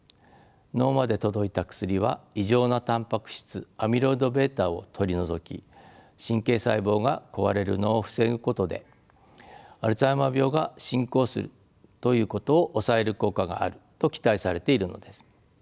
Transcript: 脳まで届いた薬は異常なたんぱく質アミロイドβを取り除き神経細胞が壊れるのを防ぐことでアルツハイマー病が進行するということを抑える効果があると期待されているのです。